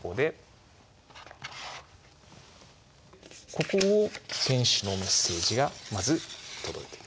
ここを天使のメッセージがまず届いてる。